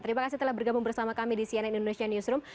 terima kasih telah bergabung bersama kami di cnn indonesia newsroom